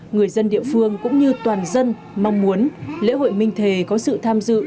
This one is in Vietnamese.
người dân địa phương cũng như toàn dân mong muốn lễ hội minh thề có sự tham dự